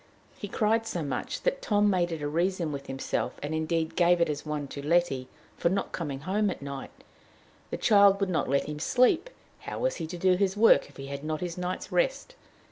He cried so much, that Tom made it a reason with himself, and indeed gave it as one to Letty, for not coming home at night: the child would not let him sleep; and how was he to do his work if he had not his night's rest?